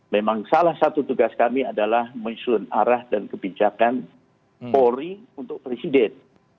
memang salah satu tugas kami adalah menyusun arah dan kebijakan polri untuk presiden